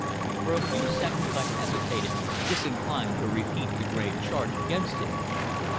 For a few seconds I hesitated, disinclined to repeat the grave charge against him.